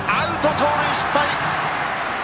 盗塁失敗！